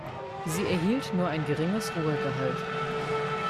Sie erhielt nur ein geringes Ruhegehalt.